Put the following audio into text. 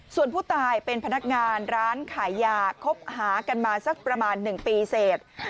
ส่วนผู้ตายเป็นพนักงานร้านขายยาคบหากันมาสักประมาณ๑ปีเสร็จ